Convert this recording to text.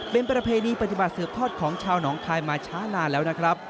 เป็นประเพณีปฏิบัติสืบทอดของชาวหนองคายมาช้านานแล้วนะครับ